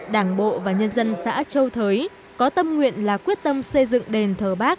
đảng bộ và nhân dân xã châu thới có tâm nguyện là quyết tâm xây dựng đền thờ bắc